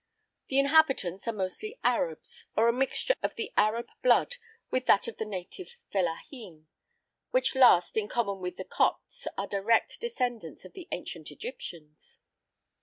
The inhabitants are mostly Arabs, or a mixture of the Arab blood with that of the native fellaheen, which last, in common with the Copts, are direct descendants of the ancient Egyptians.